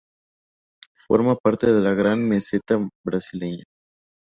Forma parte de la gran Meseta Brasileña.